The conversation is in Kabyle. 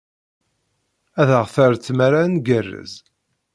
Ad aɣ-terr tmara ad ngerrez.